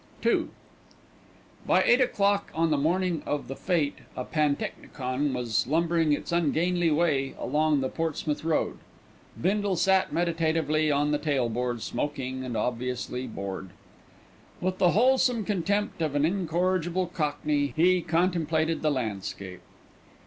II By eight o'clock on the morning of the Fête a pantechnicon was lumbering its ungainly way along the Portsmouth Road. Bindle sat meditatively on the tail board, smoking and obviously bored. With the wholesome contempt of an incorrigible cockney he contemplated the landscape.